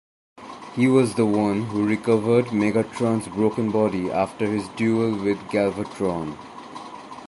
He was the one who recovered Megatron's broken body after his duel with Galvatron.